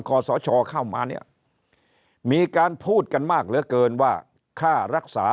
ขอสชเข้ามาเนี่ยมีการพูดกันมากเหลือเกินว่าค่ารักษา